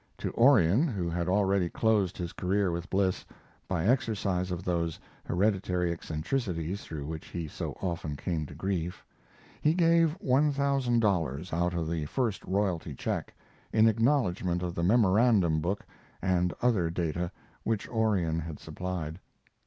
To Orion (who had already closed his career with Bliss, by exercise of those hereditary eccentricities through which he so often came to grief) he gave $1,000 out of the first royalty check, in acknowledgment of the memorandum book and other data which Orion had supplied.